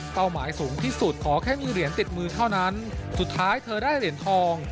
หมายสูงที่สุดขอแค่มีเหรียญติดมือเท่านั้นสุดท้ายเธอได้เหรียญทอง